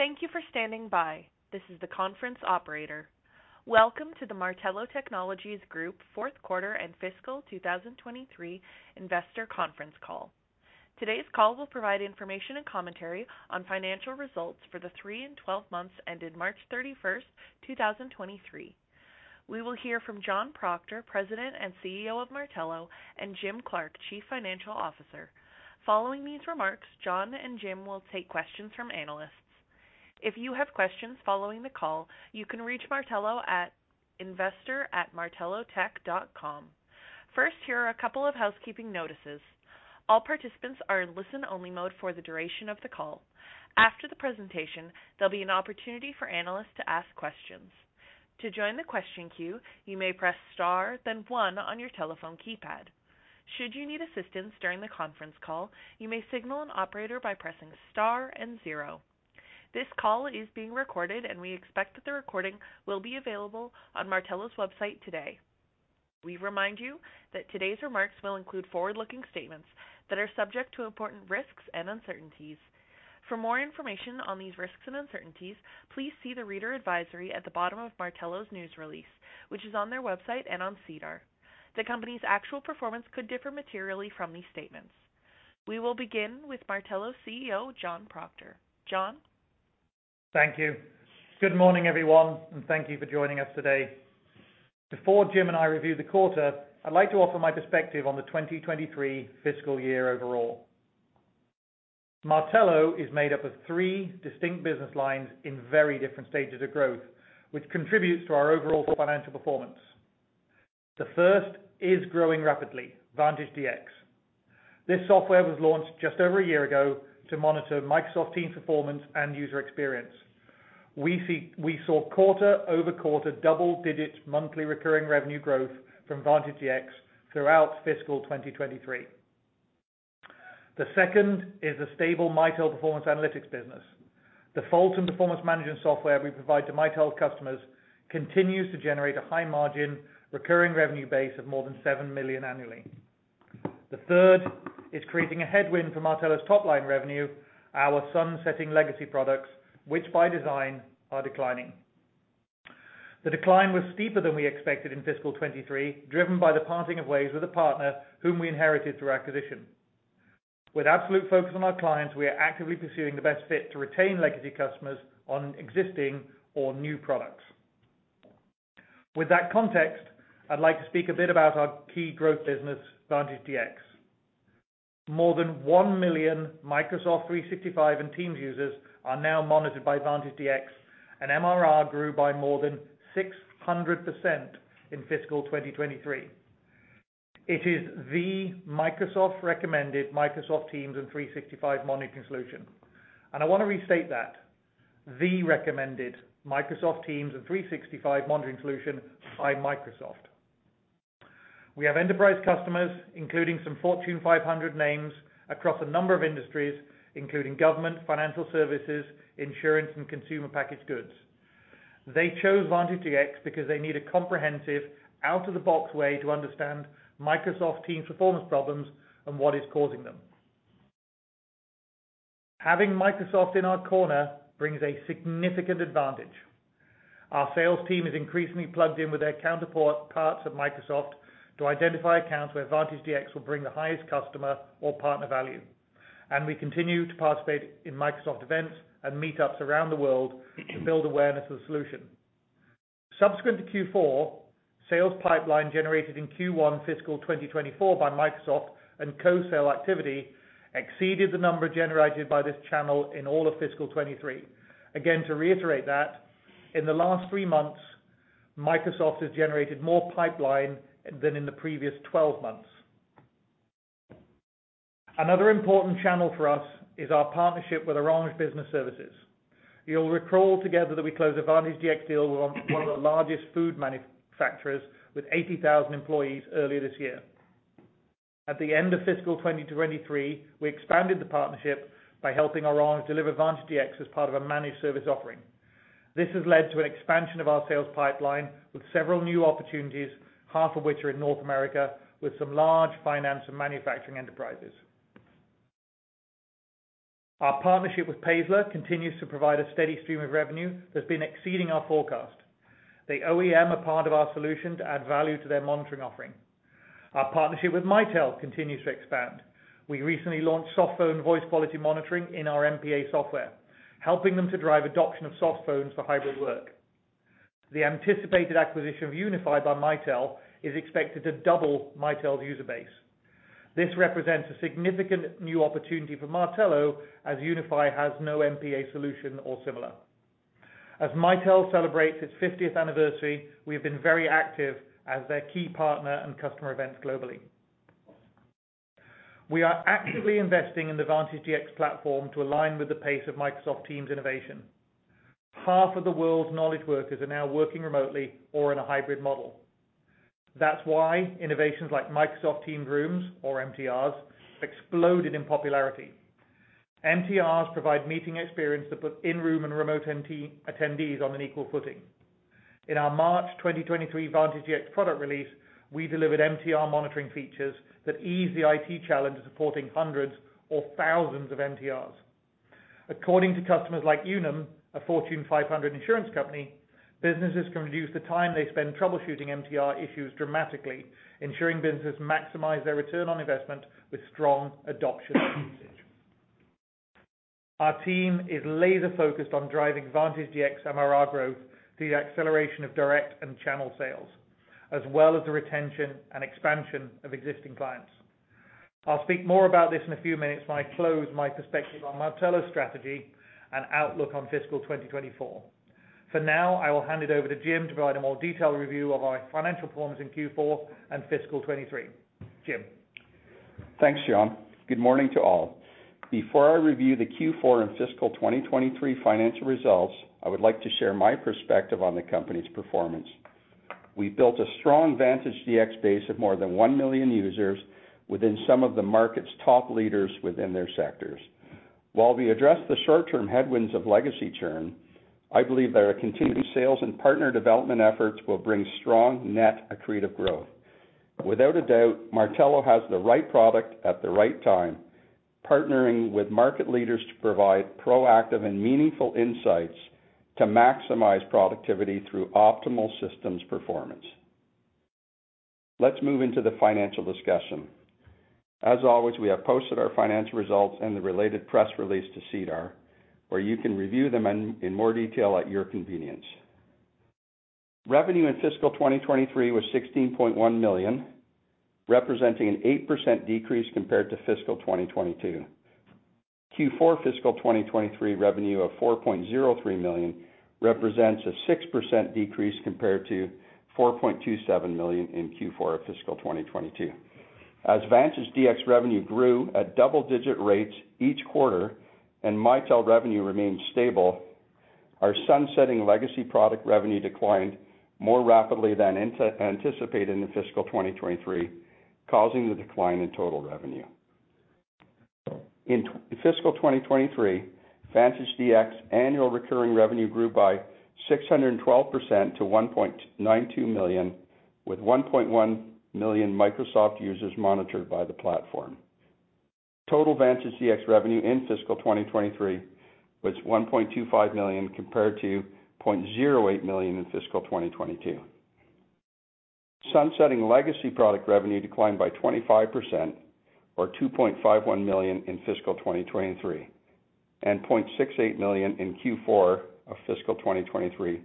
Thank you for standing by. This is the conference operator. Welcome to the Martello Technologies Group Fourth Quarter and Fiscal 2023 Investor Conference Call. Today's call will provide information and commentary on financial results for the three and 12 months ended March 31, 2023. We will hear from John Proctor, President and CEO of Martello, and Jim Clark, Chief Financial Officer. Following these remarks, John and Jim will take questions from analysts. If you have questions following the call, you can reach Martello at investor@martellotech.com. First, here are a couple of housekeeping notices. All participants are in listen-only mode for the duration of the call. After the presentation, there'll be an opportunity for analysts to ask questions. To join the question queue, you may press Star, then one on your telephone keypad. Should you need assistance during the conference call, you may signal an operator by pressing Star and zero. This call is being recorded, and we expect that the recording will be available on Martello's website today. We remind you that today's remarks will include forward-looking statements that are subject to important risks and uncertainties. For more information on these risks and uncertainties, please see the reader advisory at the bottom of Martello's news release, which is on their website and on SEDAR. The company's actual performance could differ materially from these statements. We will begin with Martello's CEO, John Proctor. John? Thank you. Good morning, everyone, and thank you for joining us today. Before Jim and I review the quarter, I'd like to offer my perspective on the 2023 fiscal year overall. Martello is made up of three distinct business lines in very different stages of growth, which contributes to our overall financial performance. The first is growing rapidly, Vantage DX. This software was launched just over a year ago to monitor Microsoft Teams performance and user experience. We saw quarter-over-quarter double-digit monthly recurring revenue growth from Vantage DX throughout fiscal 2023. The second is a stable Mitel Performance Analytics business. The fault and performance management software we provide to Mitel customers continues to generate a high margin, recurring revenue base of more than 7 million annually. The third is creating a headwind for Martello's top-line revenue, our sun-setting legacy products, which by design, are declining. The decline was steeper than we expected in fiscal 2023, driven by the parting of ways with a partner whom we inherited through acquisition. With absolute focus on our clients, we are actively pursuing the best fit to retain legacy customers on existing or new products. With that context, I'd like to speak a bit about our key growth business, Vantage DX. More than one million Microsoft 365 and Teams users are now monitored by Vantage DX, and MRR grew by more than 600% in fiscal 2023. It is the Microsoft-recommended Microsoft Teams and 365 monitoring solution, and I want to restate that, the recommended Microsoft Teams and 365 monitoring solution by Microsoft. We have enterprise customers, including some Fortune 500 names across a number of industries, including government, financial services, insurance, and consumer packaged goods. They chose Vantage DX because they need a comprehensive out-of-the-box way to understand Microsoft Teams' performance problems and what is causing them. Having Microsoft in our corner brings a significant advantage. Our sales team is increasingly plugged in with their counterpart, parts of Microsoft to identify accounts where Vantage DX will bring the highest customer or partner value. We continue to participate in Microsoft events and meetups around the world to build awareness of the solution. Subsequent to Q4, sales pipeline generated in Q1 fiscal 2024 by Microsoft and co-sale activity exceeded the number generated by this channel in all of fiscal 23. Again, to reiterate that, in the last three months, Microsoft has generated more pipeline than in the previous 12 months. Another important channel for us is our partnership with Orange Business Services. You'll recall together that we closed a Vantage DX deal with one of the largest food manufacturers, with 80,000 employees, earlier this year. At the end of fiscal 2023, we expanded the partnership by helping Orange deliver Vantage DX as part of a managed service offering. This has led to an expansion of our sales pipeline, with several new opportunities, half of which are in North America, with some large finance and manufacturing enterprises. Our partnership with Paessler continues to provide a steady stream of revenue that's been exceeding our forecast. The OEM are part of our solution to add value to their monitoring offering. Our partnership with Mitel continues to expand. We recently launched soft phone voice quality monitoring in our MPA software, helping them to drive adoption of soft phones for hybrid work. The anticipated acquisition of Unify by Mitel is expected to double Mitel's user base. This represents a significant new opportunity for Martello as Unify has no MPA solution or similar. As Mitel celebrates its fiftieth anniversary, we have been very active as their key partner in customer events globally. We are actively investing in the Vantage DX platform to align with the pace of Microsoft Teams innovation. Half of the world's knowledge workers are now working remotely or in a hybrid model. Innovations like Microsoft Teams Rooms, or MTRs, exploded in popularity. MTRs provide meeting experience that put in-room and remote empty, attendees on an equal footing. In our March 2023 Vantage DX product release, we delivered MTR monitoring features that ease the IT challenge of supporting hundreds or thousands of MTRs. According to customers like Unum, a Fortune 500 insurance company, businesses can reduce the time they spend troubleshooting MTR issues dramatically, ensuring businesses maximize their return on investment with strong adoption and usage. Our team is laser-focused on driving Vantage DX MRR growth through the acceleration of direct and channel sales, as well as the retention and expansion of existing clients. I'll speak more about this in a few minutes when I close my perspective on Martello's strategy and outlook on fiscal 2024. For now, I will hand it over to Jim to provide a more detailed review of our financial performance in Q4 and fiscal 2023. Jim? Thanks, John. Good morning to all. Before I review the Q4 and fiscal 2023 financial results, I would like to share my perspective on the company's performance. We've built a strong Vantage DX base of more than 1 million users within some of the market's top leaders within their sectors. While we address the short-term headwinds of legacy churn, I believe that our continued sales and partner development efforts will bring strong net accretive growth. Without a doubt, Martello has the right product at the right time, partnering with market leaders to provide proactive and meaningful insights to maximize productivity through optimal systems performance. Let's move into the financial discussion. As always, we have posted our financial results and the related press release to SEDAR, where you can review them in more detail at your convenience. Revenue in fiscal 2023 was 16.1 million, representing an 8% decrease compared to fiscal 2022. Q4 fiscal 2023 revenue of 4.03 million represents a 6% decrease compared to 4.27 million in Q4 of fiscal 2022. As Vantage DX revenue grew at double-digit rates each quarter and Mitel revenue remained stable, our sunsetting legacy product revenue declined more rapidly than anticipated in fiscal 2023, causing the decline in total revenue. In fiscal 2023, Vantage DX annual recurring revenue grew by 612% to 1.92 million, with 1.1 million Microsoft users monitored by the platform. Total Vantage DX revenue in fiscal 2023 was 1.25 million, compared to 0.08 million in fiscal 2022. Sunsetting legacy product revenue declined by 25%, or 2.51 million in fiscal 2023, and 0.68 million in Q4 of fiscal 2023,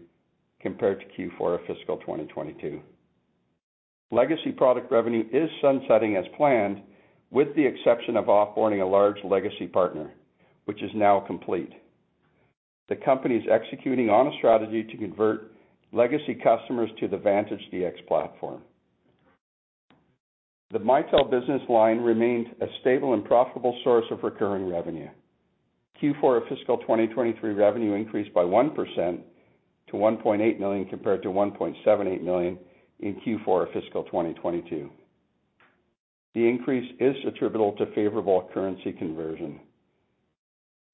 compared to Q4 of fiscal 2022. Legacy product revenue is sunsetting as planned, with the exception of off-boarding a large legacy partner, which is now complete. The company is executing on a strategy to convert legacy customers to the Vantage DX platform. The Mitel business line remains a stable and profitable source of recurring revenue. Q4 of fiscal 2023 revenue increased by 1% to 1.8 million, compared to 1.78 million in Q4 of fiscal 2022. The increase is attributable to favorable currency conversion.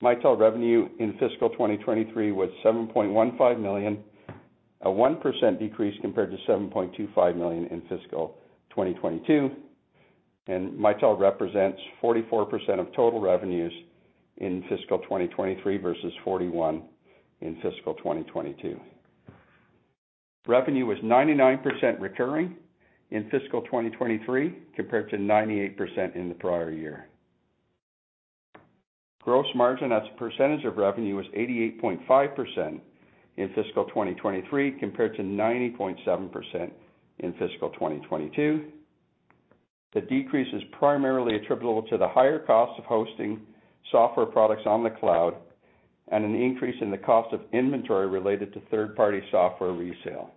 Mitel revenue in fiscal 2023 was 7.15 million, a 1% decrease compared to 7.25 million in fiscal 2022. Mitel represents 44% of total revenues in fiscal 2023 versus 41% in fiscal 2022. Revenue was 99% recurring in fiscal 2023, compared to 98% in the prior year. Gross margin as a percentage of revenue was 88.5% in fiscal 2023, compared to 90.7% in fiscal 2022. The decrease is primarily attributable to the higher cost of hosting software products on the cloud, and an increase in the cost of inventory related to third-party software resale.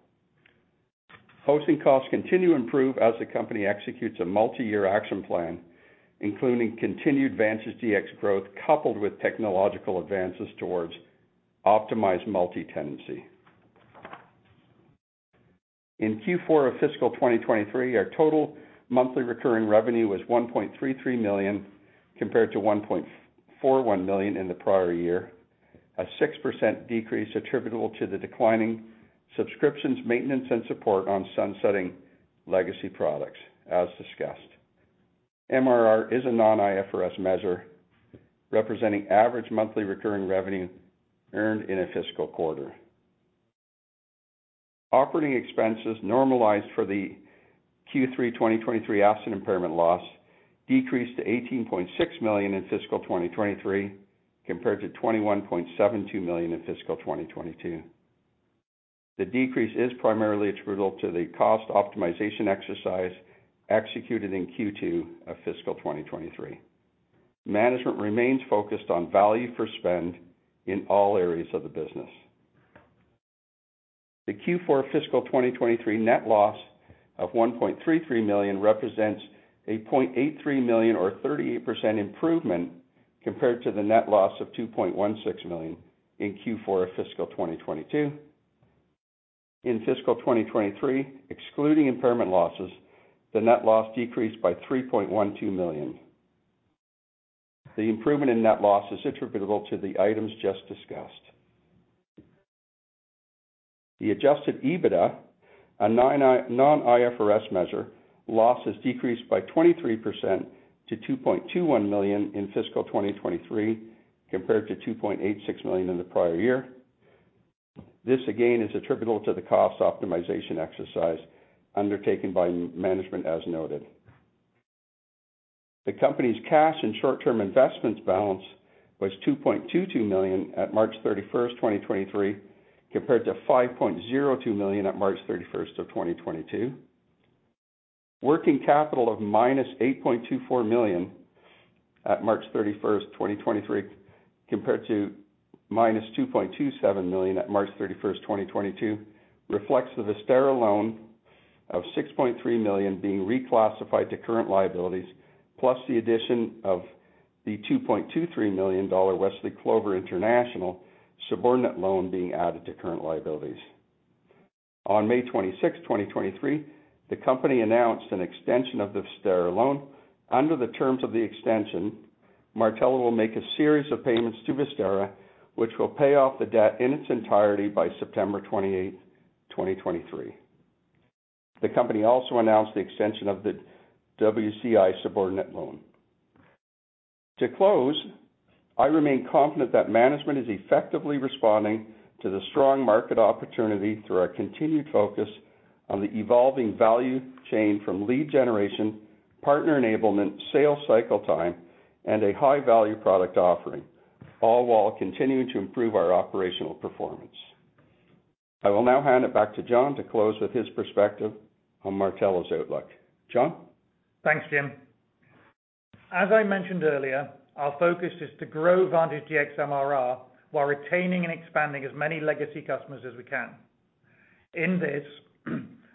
Hosting costs continue to improve as the company executes a multi-year action plan, including continued Vantage DX growth, coupled with technological advances towards optimized multi-tenancy. In Q4 of fiscal 2023, our total monthly recurring revenue was 1.33 million, compared to 1.41 million in the prior year, a 6% decrease attributable to the declining subscriptions, maintenance, and support on sunsetting legacy products, as discussed. MRR is a non-IFRS measure, representing average monthly recurring revenue earned in a fiscal quarter. Operating expenses normalized for the Q3 2023 asset impairment loss decreased to 18.6 million in fiscal 2023, compared to 21.72 million in fiscal 2022. The decrease is primarily attributable to the cost optimization exercise executed in Q2 of fiscal 2023. Management remains focused on value for spend in all areas of the business. The Q4 fiscal 2023 net loss of 1.33 million represents 0.83 million or 38% improvement compared to the net loss of 2.16 million in Q4 of fiscal 2022. In fiscal 2023, excluding impairment losses, the net loss decreased by 3.12 million. The improvement in net loss is attributable to the items just discussed. The adjusted EBITDA, a non-IFRS measure, loss has decreased by 23% to 2.21 million in fiscal 2023, compared to 2.86 million in the prior year. This, again, is attributable to the cost optimization exercise undertaken by management, as noted. The company's cash and short-term investments balance was 2.22 million at March 31, 2023, compared to 5.02 million at March 31, 2022. Working capital of -8.24 million at March 31, 2023, compared to -2.27 million at March 31, 2022, reflects the Vistara loan of 6.3 million being reclassified to current liabilities, plus the addition of the $2.23 million Wesley Clover International subordinate loan being added to current liabilities. On May 26, 2023, the company announced an extension of the Vistara loan. Under the terms of the extension, Martello will make a series of payments to Vistara, which will pay off the debt in its entirety by September 28, 2023. The company also announced the extension of the WCI subordinate loan. To close, I remain confident that management is effectively responding to the strong market opportunity through our continued focus on the evolving value chain from lead generation, partner enablement, sales cycle time, and a high-value product offering, all while continuing to improve our operational performance. I will now hand it back to John to close with his perspective on Martello's outlook. John? Thanks, Jim. As I mentioned earlier, our focus is to grow Vantage DX MRR while retaining and expanding as many legacy customers as we can. In this,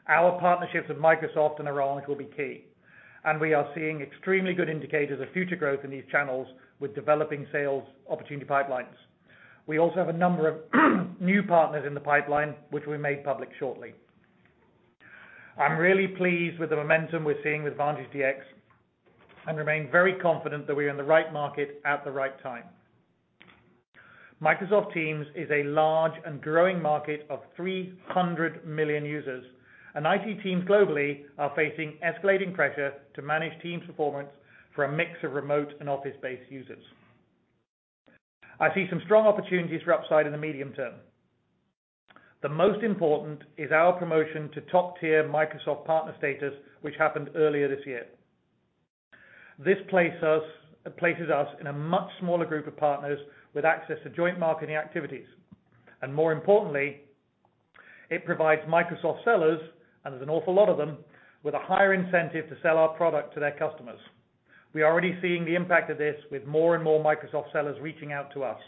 our partnerships with Microsoft and Aryaka will be key, and we are seeing extremely good indicators of future growth in these channels with developing sales opportunity pipelines. We also have a number of new partners in the pipeline, which we made public shortly. I'm really pleased with the momentum we're seeing with Vantage DX, and remain very confident that we're in the right market at the right time. Microsoft Teams is a large and growing market of 300 million users, and IT teams globally are facing escalating pressure to manage Teams performance for a mix of remote and office-based users. I see some strong opportunities for upside in the medium term. The most important is our promotion to top-tier Microsoft partner status, which happened earlier this year. This places us in a much smaller group of partners with access to joint marketing activities, and more importantly, it provides Microsoft sellers, and there's an awful lot of them, with a higher incentive to sell our product to their customers. We are already seeing the impact of this with more and more Microsoft sellers reaching out to us.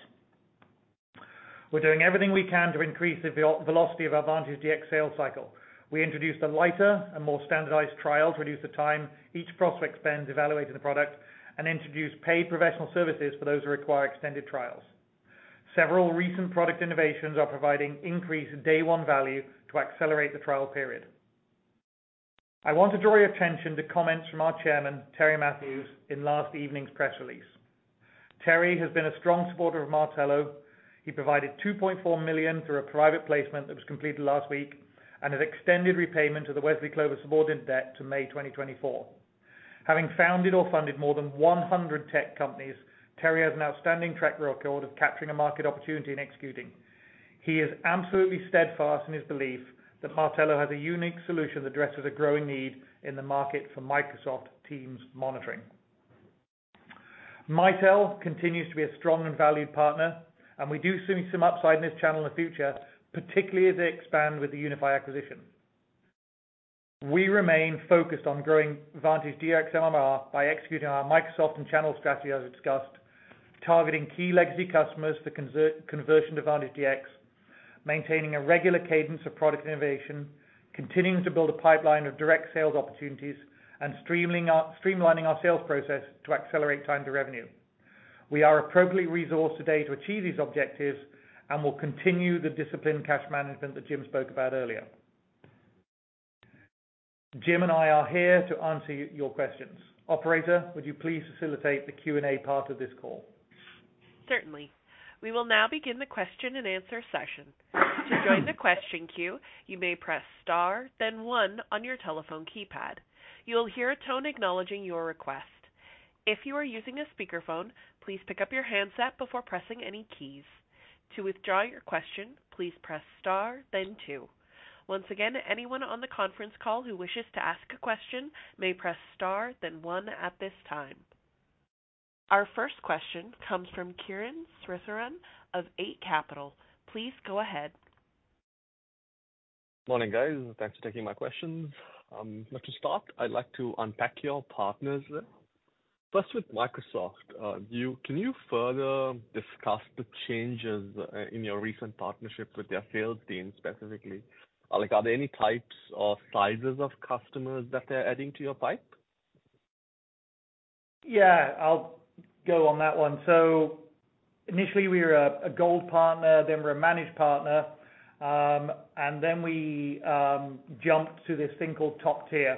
We're doing everything we can to increase the velocity of our Vantage DX sales cycle. We introduced a lighter and more standardized trial to reduce the time each prospect spends evaluating the product, and introduced paid professional services for those who require extended trials. Several recent product innovations are providing increased day one value to accelerate the trial period. I want to draw your attention to comments from our chairman, Terry Matthews, in last evening's press release. Terry has been a strong supporter of Martello. He provided 2.4 million through a private placement that was completed last week, and has extended repayment to the Wesley Clover subordinate debt to May 2024. Having founded or funded more than 100 tech companies, Terry has an outstanding track record of capturing a market opportunity and executing. He is absolutely steadfast in his belief that Martello has a unique solution that addresses a growing need in the market for Microsoft Teams monitoring. Mitel continues to be a strong and valued partner, and we do see some upside in this channel in the future, particularly as they expand with the Unify acquisition. We remain focused on growing Vantage DX MRR by executing our Microsoft and channel strategy, as discussed, targeting key legacy customers for conversion to Vantage DX, maintaining a regular cadence of product innovation, continuing to build a pipeline of direct sales opportunities, and streamlining our sales process to accelerate time to revenue. We are appropriately resourced today to achieve these objectives, and will continue the disciplined cash management that Jim spoke about earlier. Jim and I are here to answer your questions. Operator, would you please facilitate the Q&A part of this call? Certainly. We will now begin the question and answer session. To join the question queue, you may press star, then one on your telephone keypad. You will hear a tone acknowledging your request. If you are using a speakerphone, please pick up your handset before pressing any keys. To withdraw your question, please press star, then two. Once again, anyone on the conference call who wishes to ask a question may press star, then one at this time. Our first question comes from Kiran Sritharan of Eight Capital. Please go ahead. Morning, guys. Thanks for taking my questions. Let's just start. I'd like to unpack your partners. First, with Microsoft, can you further discuss the changes in your recent partnership with their sales team specifically? Like, are there any types or sizes of customers that they're adding to your pipe? Yeah, I'll go on that one. Initially, we were a gold partner, then we're a managed partner, then we jumped to this thing called top tier.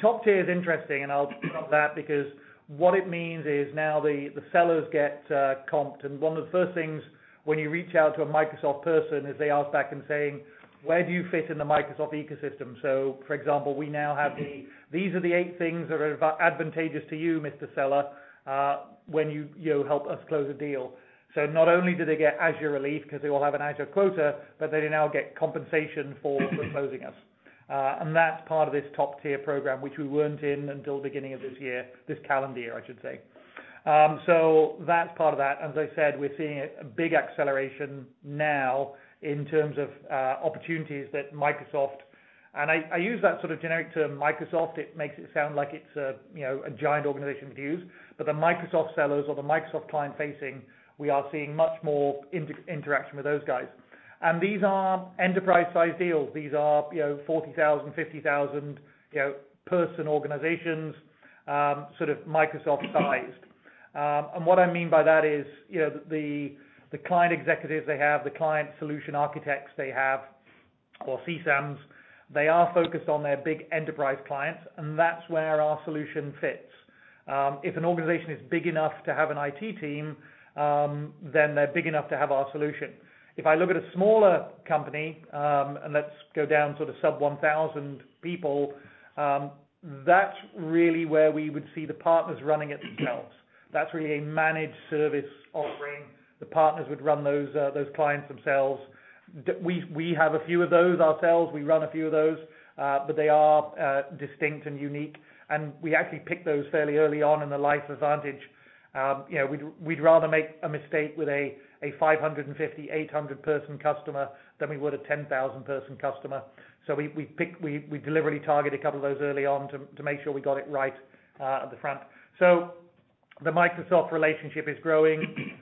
Top tier is interesting, and I'll that, because what it means is now the sellers get comped. One of the first things when you reach out to a Microsoft person, is they ask back and saying: Where do you fit in the Microsoft ecosystem? For example, we now have these 8 things that are advantageous to you, Mr. Seller, when you help us close a deal. Not only do they get Azure relief, because they all have an Azure quota, but they now get compensation for closing us. That's part of this top tier program, which we weren't in until beginning of this year, this calendar year, I should say. That's part of that. As I said, we're seeing a big acceleration now in terms of opportunities that Microsoft. I use that sort of generic term, Microsoft, it makes it sound like it's a, you know, a giant organization with views, but the Microsoft sellers or the Microsoft client-facing, we are seeing much more interaction with those guys. These are enterprise-sized deals. These are, you know, 40,000, 50,000, you know, person organizations, sort of Microsoft-sized. What I mean by that is, you know, the client executives they have, the client solution architects they have, or CSAMs, they are focused on their big enterprise clients, and that's where our solution fits. If an organization is big enough to have an IT team, then they're big enough to have our solution. If I look at a smaller company, and let's go down to the sub 1,000 people, that's really where we would see the partners running it themselves. That's really a managed service offering. The partners would run those clients themselves. We have a few of those ourselves. We run a few of those, but they are distinct and unique, and we actually picked those fairly early on in the Life Vantage. You know, we'd rather make a mistake with a 550, 800 person customer than we would a 10,000 person customer. We deliberately targeted a couple of those early on to make sure we got it right at the front. The Microsoft relationship is growing.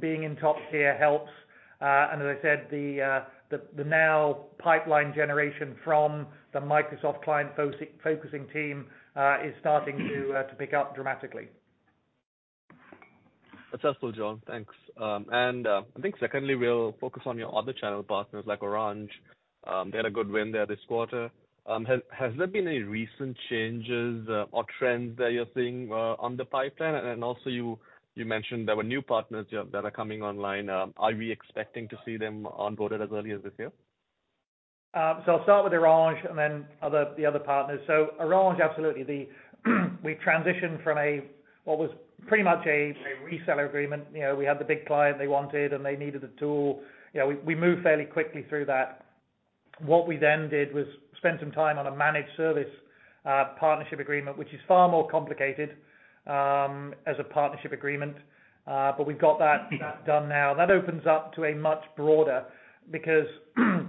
Being in top tier helps. And as I said, the now pipeline generation from the Microsoft client focusing team is starting to pick up dramatically. Successful, John. Thanks. I think secondly, we'll focus on your other channel partners, like Orange. They had a good win there this quarter. Has there been any recent changes, or trends that you're seeing, on the pipeline? Also you mentioned there were new partners that are coming online. Are we expecting to see them onboarded as early as this year? I'll start with Orange and then other, the other partners. Orange, absolutely. The, we transitioned from what was pretty much a reseller agreement. You know, we had the big client they wanted, and they needed a tool. You know, we moved fairly quickly through that. What we then did was spend some time on a managed service partnership agreement, which is far more complicated as a partnership agreement, but we've got that done now. That opens up to a much broader, because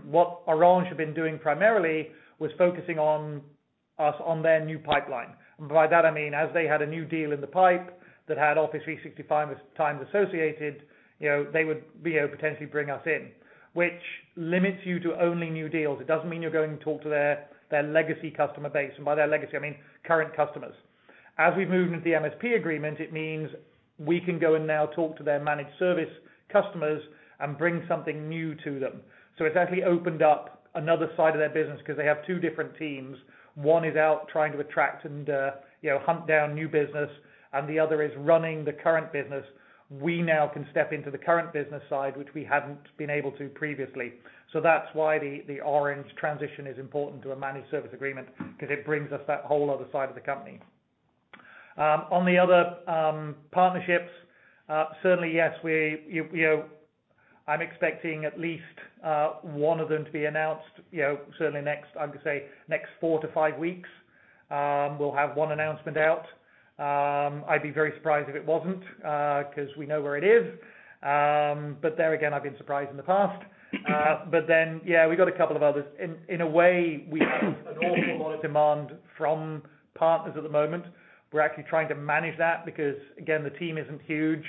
what Orange had been doing primarily was focusing on us, on their new pipeline. By that, I mean, as they had a new deal in the pipe that had Office 365 with Teams associated, you know, they would be able to potentially bring us in, which limits you to only new deals. It doesn't mean you're going to talk to their legacy customer base. By their legacy, I mean, current customers. As we've moved into the MSP agreement, it means we can go and now talk to their managed service customers and bring something new to them. It's actually opened up another side of their business because they have two different teams. One is out trying to attract and, you know, hunt down new business, and the other is running the current business. We now can step into the current business side, which we hadn't been able to previously. That's why the Orange transition is important to a managed service agreement because it brings us that whole other side of the company. On the other partnerships, certainly, yes, you know, I'm expecting at least one of them to be announced, you know, certainly next, I'm going to say, next four to five weeks, we'll have one announcement out. I'd be very surprised if it wasn't, because we know where it is. There again, I've been surprised in the past. Yeah, we got a couple of others. In a way, we have an awful lot of demand from partners at the moment. We're actually trying to manage that because, again, the team isn't huge.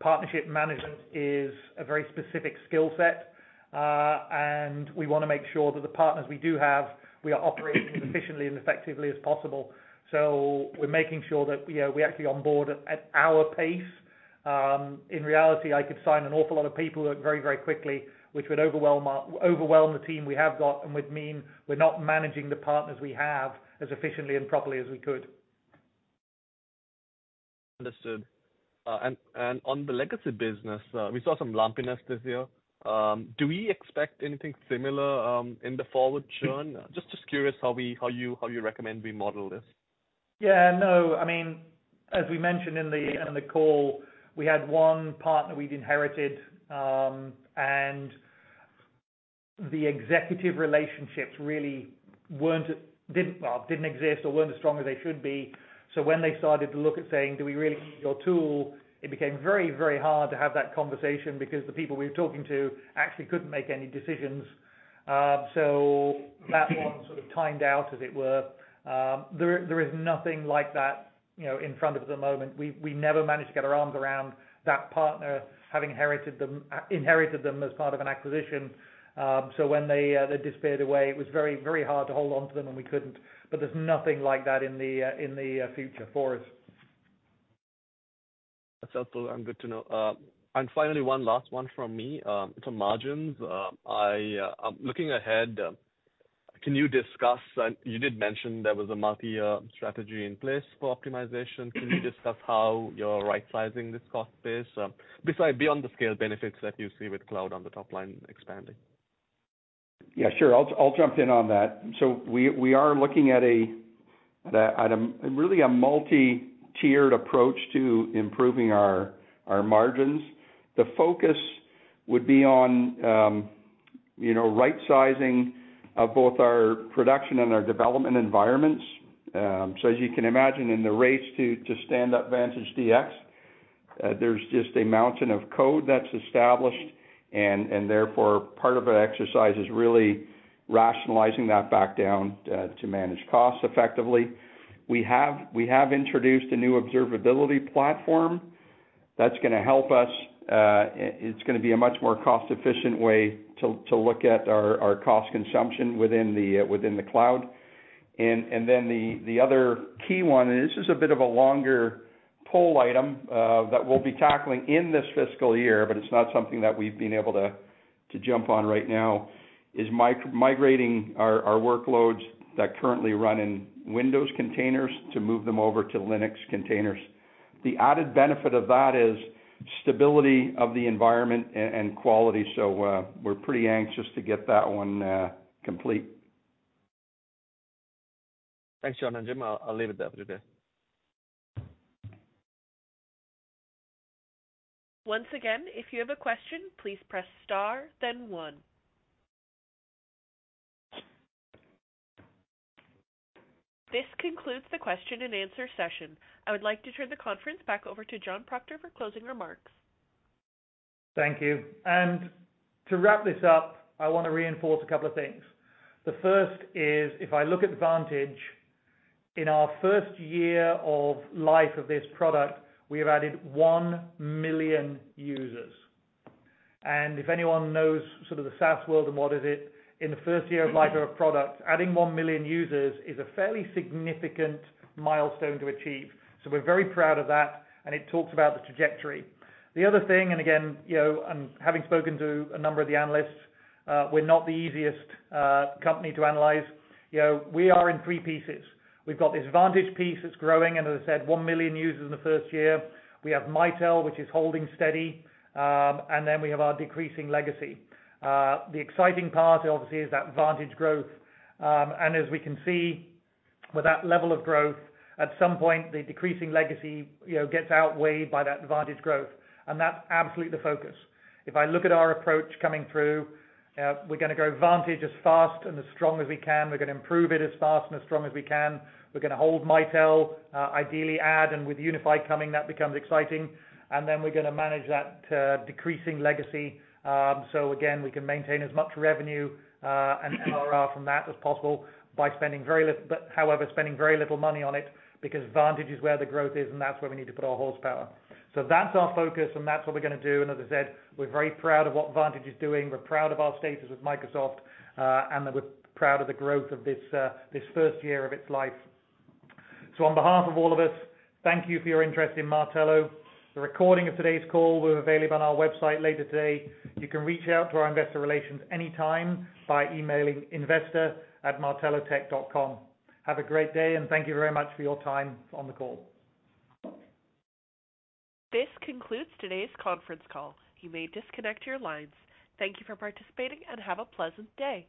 Partnership management is a very specific skill set, and we want to make sure that the partners we do have, we are operating as efficiently and effectively as possible. We're making sure that, you know, we actually on board at our pace. In reality, I could sign an awful lot of people very, very quickly, which would overwhelm the team we have got and would mean we're not managing the partners we have as efficiently and properly as we could. Understood. On the legacy business, we saw some lumpiness this year. Do we expect anything similar in the forward churn? Just curious how you recommend we model this. Yeah, no. I mean, as we mentioned in the call, we had one partner we'd inherited, and the executive relationships really didn't exist or weren't as strong as they should be. When they started to look at saying, "Do we really need your tool?" It became very, very hard to have that conversation because the people we were talking to actually couldn't make any decisions. That one sort of timed out, as it were. There is nothing like that, you know, in front of us at the moment. We never managed to get our arms around that partner, having inherited them as part of an acquisition. When they disappeared away, it was very, very hard to hold on to them, and we couldn't. There's nothing like that in the, in the, future for us. That's helpful, and good to know. Finally, one last one from me. Margins, I looking ahead, can you discuss, and you did mention there was a multi-year strategy in place for optimization. Can you discuss how you're right-sizing this cost base, besides beyond the scale benefits that you see with cloud on the top line expanding? Yeah, sure. I'll jump in on that. We are looking at a really a multi-tiered approach to improving our margins. The focus would be on, you know, right-sizing of both our production and our development environments. As you can imagine, in the race to stand up Vantage DX, there's just a mountain of code that's established, and therefore, part of that exercise is really rationalizing that back down to manage costs effectively. We have introduced a new observability platform that's gonna help us. It's gonna be a much more cost-efficient way to look at our cost consumption within the cloud. The other key one, and this is a bit of a longer pull item that we'll be tackling in this fiscal year, but it's not something that we've been able to jump on right now, is migrating our workloads that currently run in Windows containers to move them over to Linux containers. The added benefit of that is stability of the environment and quality, so we're pretty anxious to get that one complete. Thanks, John and Jim. I'll leave it there for today. Once again, if you have a question, please press star, then one. This concludes the question and answer session. I would like to turn the conference back over to John Proctor for closing remarks. Thank you. To wrap this up, I want to reinforce a couple of things. The first is, if I look at Vantage, in our first year of life of this product, we have added 1 million users. If anyone knows sort of the SaaS world and what is it, in the first year of life of a product, adding 1 million users is a fairly significant milestone to achieve. We're very proud of that, and it talks about the trajectory. The other thing, again, you know, having spoken to a number of the analysts, we're not the easiest company to analyze. You know, we are in three pieces. We've got this Vantage piece that's growing, and as I said, 1 million users in the first year. We have Mitel, which is holding steady, and then we have our decreasing legacy. The exciting part, obviously, is that Vantage growth. As we can see, with that level of growth, at some point, the decreasing legacy, you know, gets outweighed by that Vantage growth, and that's absolutely the focus. If I look at our approach coming through, we're gonna grow Vantage as fast and as strong as we can. We're gonna improve it as fast and as strong as we can. We're gonna hold Mitel, ideally add, and with Unify coming, that becomes exciting. Then we're gonna manage that decreasing legacy, so again, we can maintain as much revenue and MRR from that as possible by spending very little money on it, because Vantage is where the growth is, that's where we need to put our horsepower. That's our focus, that's what we're gonna do. As I said, we're very proud of what Vantage is doing. We're proud of our status with Microsoft, and we're proud of the growth of this first year of its life. On behalf of all of us, thank you for your interest in Martello. The recording of today's call will be available on our website later today. You can reach out to our investor relations anytime by emailing investor@martellotech.com. Have a great day, and thank you very much for your time on the call. This concludes today's conference call. You may disconnect your lines. Thank you for participating, and have a pleasant day.